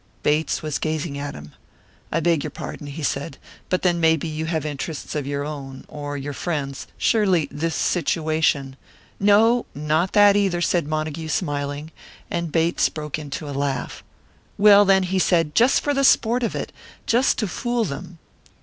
Bates was gazing at him. "I beg your pardon," he said; "but then maybe you have interests of your own; or your friends surely this situation " "No, not that either," said Montague, smiling; and Bates broke into a laugh. "Well, then," he said, "just for the sport of it! Just to fool them!"